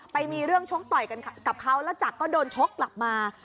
ไปมีเรื่องชกต่อยกันกับเขาแล้วจักรก็โดนชกกลับมา